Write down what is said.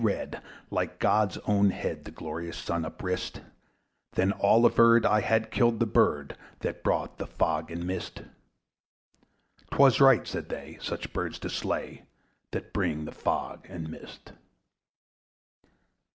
Nor dim nor red, like God's own head, The glorious Sun uprist: Then all averred, I had killed the bird That brought the fog and mist. 'Twas right, said they, such birds to slay, That bring the fog and mist.